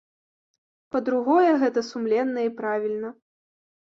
Па-другое, гэта сумленна і правільна.